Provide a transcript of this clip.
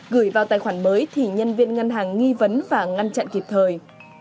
gửi vào tài khoản mới thì nhân viên ngân hàng nghi vấn và ngăn chặn kịp thời